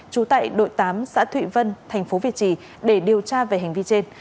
trú tại đội tám xã thụy vân thành phố việt trì để điều tra về hành vi trên